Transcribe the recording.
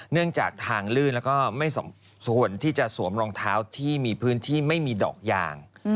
เนื่องจากทางรื่นและพื้นที่ไม่มีดอกยาง